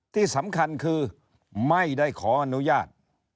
ที่สำคัญคือไม่ได้ขออนุญาต